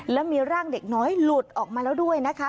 แล้วมีร่างเด็กน้อยหลุดออกมาแล้วด้วยนะคะ